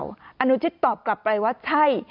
อนุชิตตอบกลับไปว่าใช่